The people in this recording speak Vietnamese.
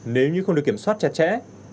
nếu như không được kiểm soát chặt chẽ